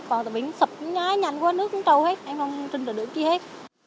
còn tầm biển sụp nháy nhanh qua nước cũng trâu hết em không trình trở được gì hết